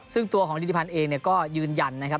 ซึ่งตัวของทิศิพรรณเองเนี่ยก็ยืนยันนะครับ